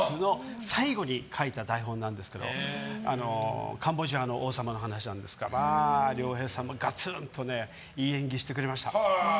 最後に書いた台本なんですけどカンボジアの話なんですけど亮平さんもガツンといい演技してくれました。